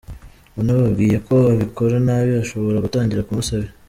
Unababwiye ko abikora nabi, bashobora gutangira kumusebya.